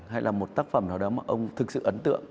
hay là một tác phẩm nào đó mà ông thực sự ấn tượng